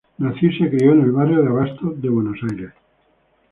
Nació y se crio en el barrio del Abasto de Buenos Aires.